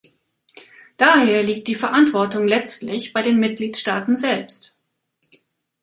Daher liegt die Verantwortung letztlich bei den Mitgliedstaaten selbst.